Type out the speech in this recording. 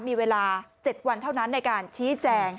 มีเวลา๗วันเท่านั้นในการชี้แจง